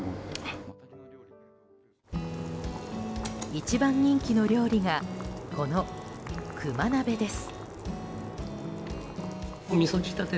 一番人気の料理がこの熊鍋です。